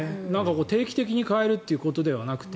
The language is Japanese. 定期的に替えるということではなくて。